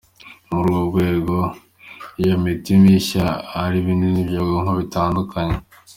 Ni muri urwo rwego n’iyo miti mishya ari ibinini by’ubwoko butandukanye.